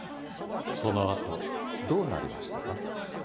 そのあとどうなりましたか？